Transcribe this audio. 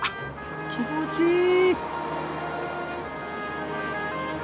気持ちいい！